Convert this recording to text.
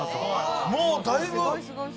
もうだいぶ。